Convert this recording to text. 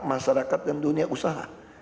masyarakat dan dunia usaha